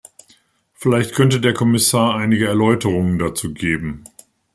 Vielleicht könnte der Kommissar einige Erläuterungen dazu geben.